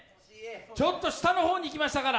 ちょっと下の方にいきましたから。